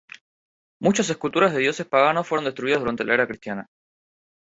Muchas esculturas de dioses paganos fueron destruidas durante la era cristiana.